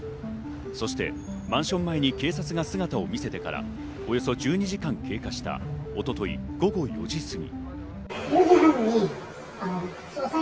そしてマンション前に警察が姿を見せてからおよそ１２時間経過した一昨日午後５時過ぎ。